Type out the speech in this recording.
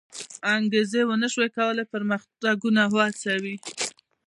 انګېزې و نه شوی کړای پرمختګونه وهڅوي.